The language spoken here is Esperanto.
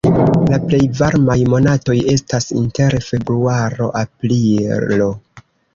La plej varmaj monatoj estas inter februaro-aprilo.